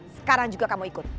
sekarang juga kamu ikut